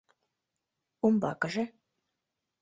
Умбакыже?